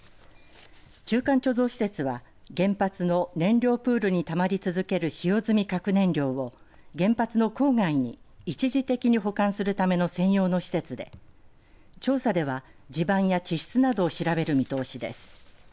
中間貯蔵施設は原発の燃料プールにたまり続ける使用済み核燃料を原発の構外に一時的に保管するための専用の施設で調査では地盤や地質などを調べる見通しです。